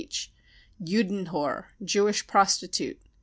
— Juden Hure , Jewish prostitute.